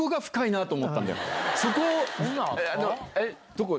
どこ？